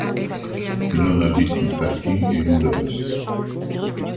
Ils n'en habitent qu'une partie et louent le reste.